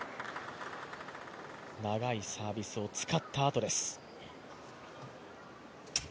長いサービスを使ったあとです。